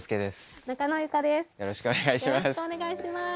よろしくお願いします。